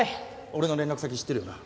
俺の連絡先知ってるよな？